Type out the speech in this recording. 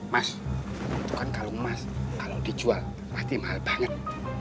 mas untuk kan kalung emas kalau dijual pasti mahal banget